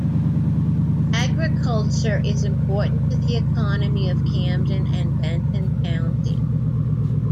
Agriculture is important to the economy of Camden and Benton County.